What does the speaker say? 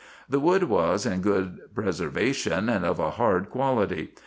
The wood was in good preservation, and of a hard quality.